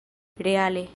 reale